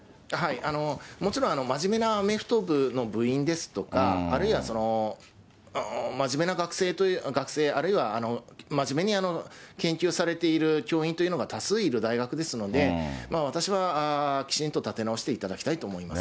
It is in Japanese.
もちろん、まじめなアメフト部の部員ですとか、あるいは真面目な学生、あるいは真面目に研究されている教員というのが多数いる大学ですので、私はきちんと立て直していただきたいと思います。